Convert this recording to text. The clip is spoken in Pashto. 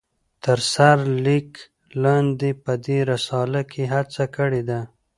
تر سر ليک لاندي په دي رساله کې هڅه کړي ده